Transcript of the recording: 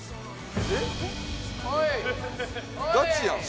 ガチやん。